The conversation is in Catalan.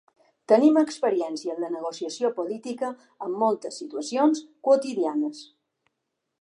Tenim experiència en la negociació política en moltes situacions quotidianes.